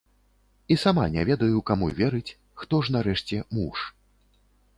І сама не ведаю, каму верыць, хто ж, нарэшце, муж?